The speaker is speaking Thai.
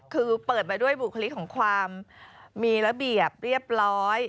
คือเปิดมาด้วยบุคลิกของความมีระเบียบเรียบร้อย